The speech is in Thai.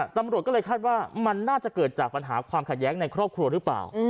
ตำรวจก็เลยคาดว่ามันน่าจะเกิดจากปัญหาความขัดแย้งในครอบครัวหรือเปล่า